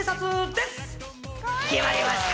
・決まりました！